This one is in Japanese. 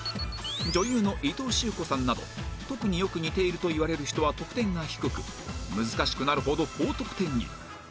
女優の伊藤修子さんなど特によく似ていると言われる人は得点が低く難しくなるほど高得点に